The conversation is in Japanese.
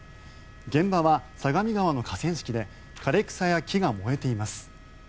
現場は相模川の河川敷で枯れ草や木が燃えています。